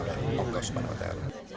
di pokok subah hotel